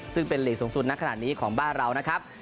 ซึ่งเป็นหลีกสูงสุดณขณะนี้ของบ้านเรานะครับ